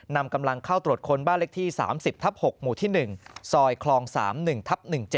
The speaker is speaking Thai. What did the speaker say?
นำกำลังเข้าตรวจค้นบ้านเลขที่๓๐ทับ๖หมู่ที่๑ซอยคลอง๓๑ทับ๑๗